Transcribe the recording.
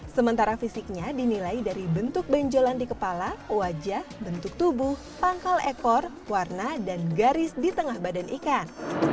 sementara fisiknya dinilai dari bentuk benjolan di kepala wajah bentuk tubuh pangkal ekor warna dan garis di tengah badan ikan